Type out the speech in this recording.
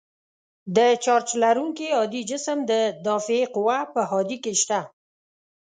د چارج لرونکي هادي جسم د دافعې قوه په هادې کې شته.